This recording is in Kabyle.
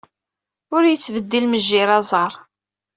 Ur yettbeddil mejjir aẓar.